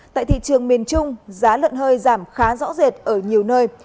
tại thị trường miền trung giá lợn hơi giảm khá rõ rệt ở nhiều nơi